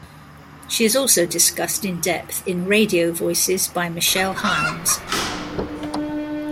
She is also discussed in depth in "Radio Voices" by Michele Hilmes.